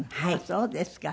そうですか。